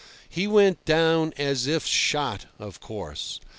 He went down as if shot, of course.